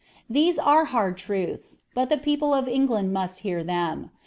These are hard truths, but the people of England must hear them.